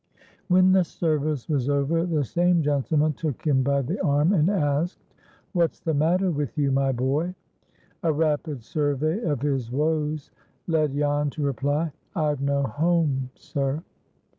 When the service was over, the same gentleman took him by the arm, and asked, "What's the matter with you, my boy?" A rapid survey of his woes led Jan to reply, "I've no home, sir."